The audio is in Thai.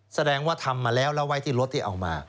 แสดงว่าทำมาแล้วแล้วไว้ที่รถที่เอามา